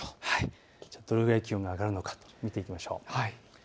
どれぐらい気温が上がるのか見ていきましょう。